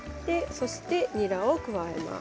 そして、にらを加えます。